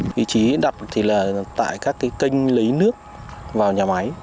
vị trí đập tại các kênh lấy nước vào nhà máy